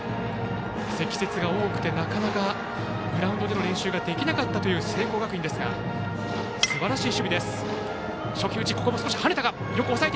積雪が多くてなかなかグラウンドでの練習ができなかったという聖光学院ですがすばらしい守備です。